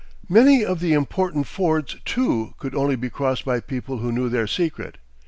Many of the important fords, too, could only be crossed by people who knew their secret.